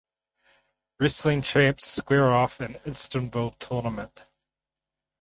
Wrestling champs square off in Istanbul tournament.